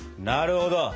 なるほど！